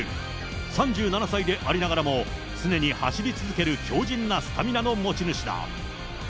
３７歳でありながらも、常に走り続ける強じんなスタミナの持ち主だ。